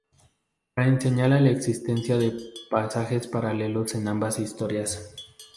Price señala la existencia de pasajes paralelos en ambas historias.